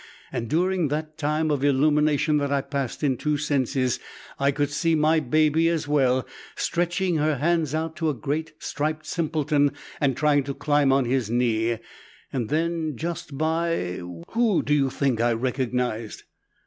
And during that time of illumination that I passed in two senses, I could see my baby as well, stretching her hands out to a great striped simpleton and trying to climb on his knee; and then, just by, who do you think I recognized?